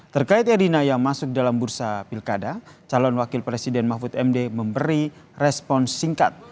terkait edina yang masuk dalam bursa pilkada calon wakil presiden mahfud md memberi respon singkat